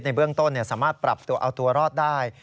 เบื้องต้นสามารถปรับตัวเอาตัวรอดได้